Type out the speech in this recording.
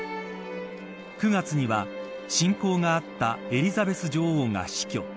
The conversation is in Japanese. ９月には親交があったエリザベス女王が死去。